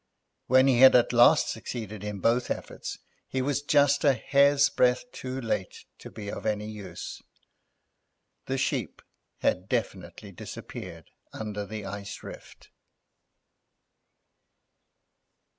When he had at last succeeded in both efforts he was just by a hair's breadth too late to be of any use. The Sheep had definitely disappeared under the ice rift.